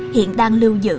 hiện đang lưu giữ